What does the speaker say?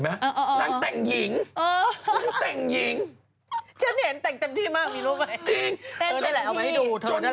นางแต่งหญิงเห็นแต่งเต็มที่มากมีรูปไหม